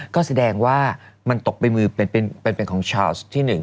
ก็แสดงว่ามันตกไปมือเป็นของชาวที่๑